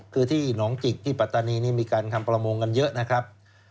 คือที่หนองจิกที่ปัตตานีนี่มีการทำประมงกันเยอะนะครับ